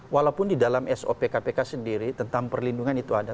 walaupun di dalam sop kpk sendiri tentang perlindungan itu ada